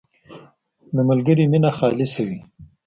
• د ملګري مینه خالصه وي.